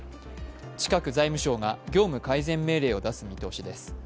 近く財務省が業務改善命令を出す見通しです。